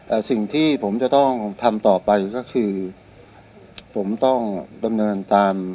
แต่สิ่งที่ผมจะต้องทำต่อไปก็คือผมต้องดำเนินการ